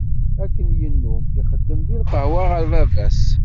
Akken yennum, ixeddem deg lqahwa ɣur baba-s.